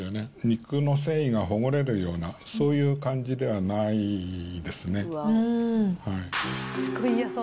肉の繊維がほぐれるような、そういう感じではないですね。